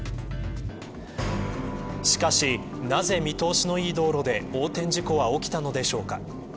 しかし、なぜ見通しのいい道路で横転事故は起きたのでしょうか。